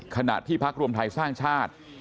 ขณะที่พักรวมไทยสร้างชาติ